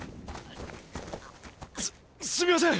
すすみません！